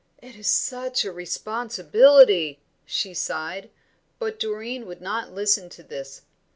"It is such a responsibility," she sighed; but Doreen would not listen to this.